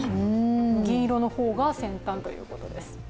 銀色の方が先端ということです。